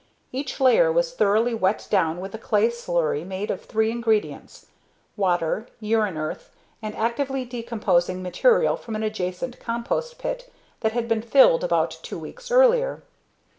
Each layer was thoroughly wet down with a clay slurry made of three ingredients: water, urine earth, and actively decomposing material from an adjacent compost pit that had been filled about two weeks earlier.